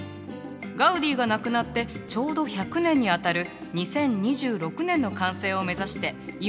ガウディが亡くなってちょうど１００年にあたる２０２６年の完成を目指して今も建設中なの。